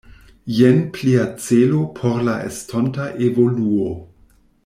Jen plia celo por la estonta evoluo!